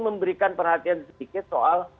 memberikan perhatian sedikit soal